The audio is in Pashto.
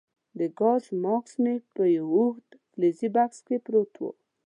د ګاز ماسک مې په یو اوږد فلزي بکس کې پروت وو.